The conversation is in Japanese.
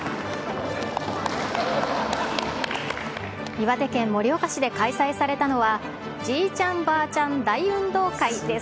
岩手県盛岡市で開催されたのは、じいちゃんばあちゃん大運動会です。